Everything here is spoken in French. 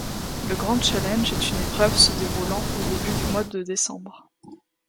Le Grand Challenge est une épreuve se déroulant au début du mois de décembre.